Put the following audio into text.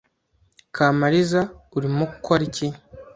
Kamariza, urimo ukora iki hano?